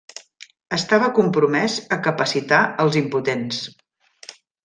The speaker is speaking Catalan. Estava compromès a capacitar els impotents.